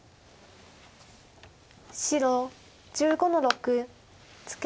白１５の六ツケ。